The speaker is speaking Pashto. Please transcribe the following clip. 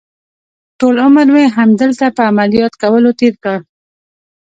ټول عمر مې همدلته په عملیات کولو تېر کړ.